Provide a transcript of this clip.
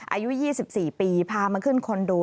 อายุ๒๔ปีพามาขึ้นคอนโด